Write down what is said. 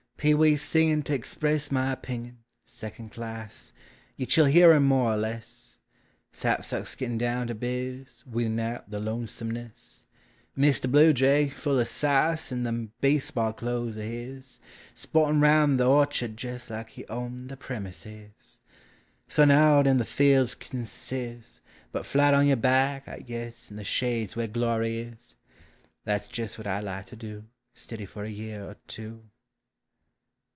Pee wees' singin', to express My opinion, 's second class, Yit you '11 hear 'em more er less ; Sapsucks gittin' down to biz, Weedin' out the lonesomeness ; Mr. Bluejay, full o' sass, In them base ball clothes o' his, Sportin' 'round the orchard jes' Like he owned the premises! Sun out in the fields kin sizz, But flat on your back, I guess, In the shade 's where glory is ! That 's jes' what I 'd like to do Stiddy for a year or two